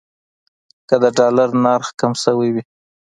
که د ډالر نرخ کم شوی وي.